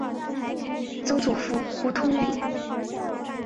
曾祖父胡通礼。